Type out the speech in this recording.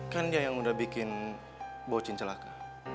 kan dia yang udah bikin mbok jin celaka